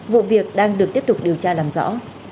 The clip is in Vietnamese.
vụ việc đang được tiếp tục điều tra làm rõ